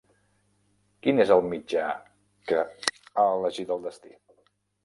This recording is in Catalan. Quin és el mitjà que ha elegit el destí?